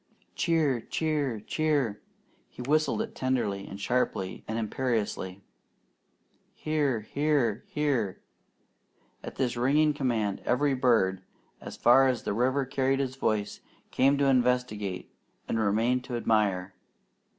"Cheer! Cheer! Cheer!" He whistled it tenderly and sharply and imperiously. "Here! Here! Here!" At this ringing command, every bird, as far as the river carried his voice, came to investigate and remained to admire.